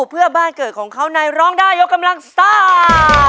เพื่อบ้านเกิดของเขาในร้องได้ยกกำลังซ่า